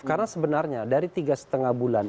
karena sebenarnya dari tiga lima bulan